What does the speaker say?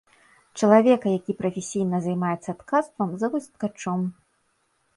Чалавека, які прафесійна займаецца ткацтвам, завуць ткачом.